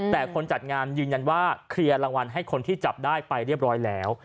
แต่คนจัดงานยืนยันว่าเคลียร์รางวัลให้คนที่จับได้ไปเรียบร้อยแล้ว